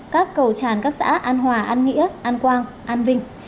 các cầu tràn các xã an hòa an nghĩa an quang an vinh